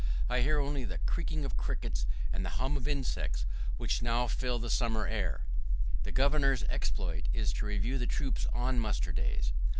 I hear only the creaking of crickets and the hum of insects which now fill the summer air. The Governor's exploit is to review the troops on muster days.